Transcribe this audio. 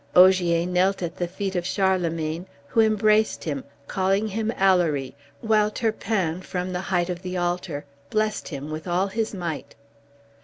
Ogier knelt at the feet of Charlemagne, who embraced him, calling him Alory, while Turpin from the height of the altar, blessed him with all his might.